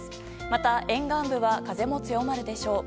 また、沿岸部は風も強まるでしょう。